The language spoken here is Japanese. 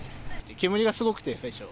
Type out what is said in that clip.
煙がすごくて、最初。